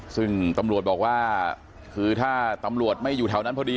ซึ่งตำรวจบอกว่าคือถ้าตำรวจไม่อยู่แถวนั้นพอดี